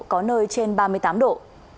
có nơi trên ba mươi tám độ